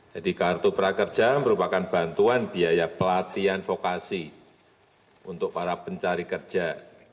jadi kartu prakerja merupakan bantuan biaya pelatihan vokasi untuk para pencari kerja